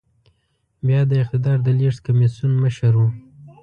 بيا د اقتدار د لېږد کميسيون مشر و.